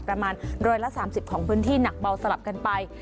ประมาณ๑๓๐ของพื้นที่หนักเบาสลับกันไป